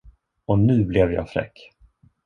Och nu blev jag fräck.